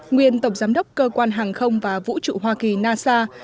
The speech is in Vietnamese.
nguyên tổng giám đốc cơ quan hàng không và vũ trụ hoa kỳ nasa